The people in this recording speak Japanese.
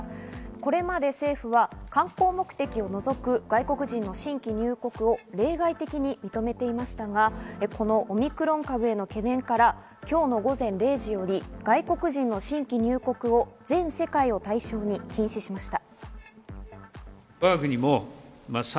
これまで政府は観光目的を除く外国人の新規入国を例外的に認めていましたが、このオミクロン株への懸念から今日の午前０時より、外国人の新規入国を全世界を対象に禁止しました。